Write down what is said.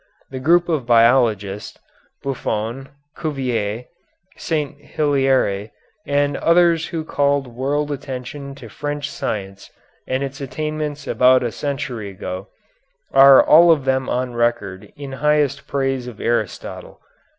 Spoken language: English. The group of biologists, Buffon, Cuvier, St. Hilaire, and others who called world attention to French science and its attainments about a century ago, are all of them on record in highest praise of Aristotle.